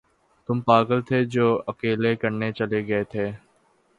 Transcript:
تم پاگل تھے جو اکیلے کرنے چلے گئے تھے۔